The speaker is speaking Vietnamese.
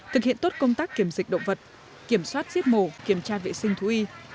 thực hiện tốt công tác kiểm dịch động vật kiểm soát giết mổ kiểm tra vệ sinh thú y